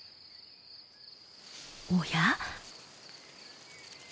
おや？